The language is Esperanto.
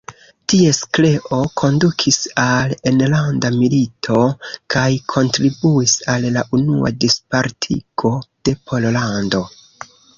Ties kreo kondukis al enlanda milito kaj kontribuis al la Unua Dispartigo de Pollando.